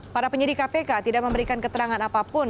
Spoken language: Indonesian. para penyidik kpk tidak memberikan keterangan apapun